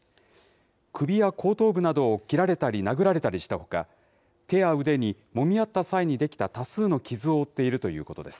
首や後頭部などを切られたり殴られたりしたほか、手や腕に、もみ合った際に出来た多数の傷を負っているということです。